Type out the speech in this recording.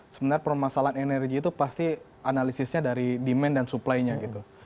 sebenarnya permasalahan energi itu pasti analisisnya dari demand dan supply nya gitu